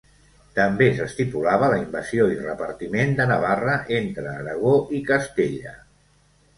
També s'estipulava la invasió i repartiment de Navarra entre Aragó i Castella.